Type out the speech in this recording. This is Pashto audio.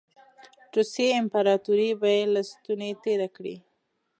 روسیې امپراطوري به یې له ستوني تېره کړي.